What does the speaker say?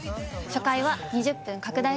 初回は２０分拡大